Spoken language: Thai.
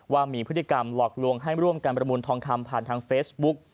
ว่ามีพฤติกรรมหลอกลวงให้ร่วมการประมูลทองคำผ่านทางเฟซบุ๊ก